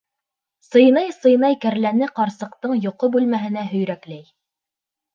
Сыйнай-сыйнай кәрләне ҡарсыҡтың йоҡо бүлмәһенә һөйрәкләй.